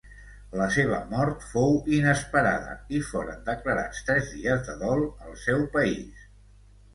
La seva mort fou inesperada i foren declarats tres dies de dol al seu país.